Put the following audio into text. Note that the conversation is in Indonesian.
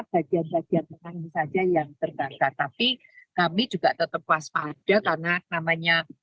bagian bagian tanah ini saja yang terdakar tapi kami juga tetap puas pada karena namanya